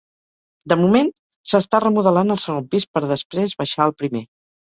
De moment s’està remodelant el segon pis per després baixar al primer.